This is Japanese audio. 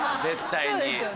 絶対に。